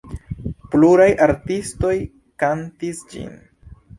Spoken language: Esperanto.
Pluraj artistoj kantis ĝin.